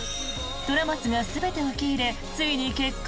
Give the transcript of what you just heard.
虎松が全て受け入れついに結婚！